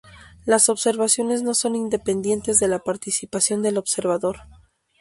Las observaciones no son independientes de la participación del observador.